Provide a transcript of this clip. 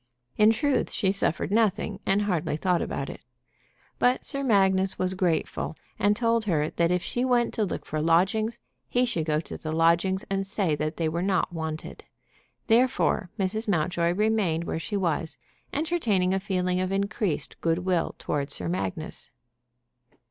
In truth she suffered nothing, and hardly thought about it. But Sir Magnus was grateful, and told her that if she went to look for lodgings he should go to the lodgings and say that they were not wanted. Therefore Mrs. Mountjoy remained where she was, entertaining a feeling of increased good will toward Sir Magnus.